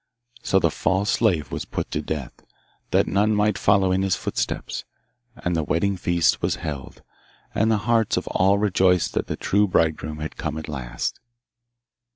So the false slave was put to death, that none might follow in his footsteps, and the wedding feast was held, and the hearts of all rejoiced that the true bridegroom had come at last.